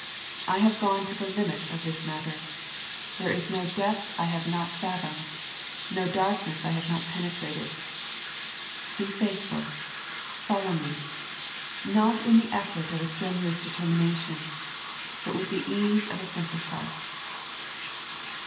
I have gone to the limit of this matter.. There is no depth I have not fathomed, no darkness I have not penetrated. Be faithful, follow Me, not in the effort of a strenuous determination, but with the ease of a simple trust.